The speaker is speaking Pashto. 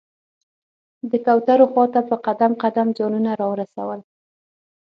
د کوترو خواته په قدم قدم ځانونه راورسول.